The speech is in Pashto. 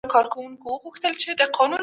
د ژوند د کچې لوړول د هر وګړي حق دی.